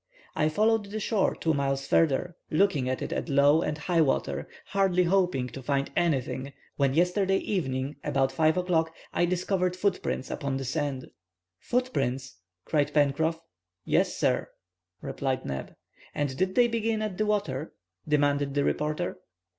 "I followed the shore two miles further, looking at it at low and high water, hardly hoping to find anything, when yesterday evening, about 5 o'clock, I discovered footprints upon the sand." "Footprints," cried Pencroff. "Yes, sir," replied Neb. "And did they begin at the water?" demanded the reporter.